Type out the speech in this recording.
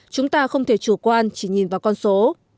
chúng ta không thể chủ quan chỉ nhìn vào con số